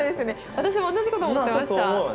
私も同じこと思ってました。